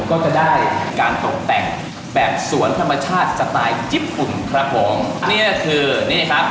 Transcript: ก็จะได้การตกแต่งแบบสวนธรรมชาติสไตล์ญี่ปุ่นครับผมนี่ก็คือนี่ครับ